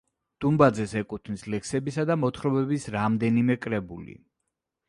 დუმბაძეს ეკუთვნის ლექსებისა და მოთხრობების რამდენიმე კრებული.